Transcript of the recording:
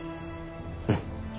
うん。